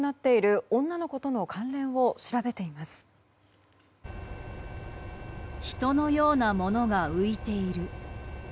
人のようなものが浮いている。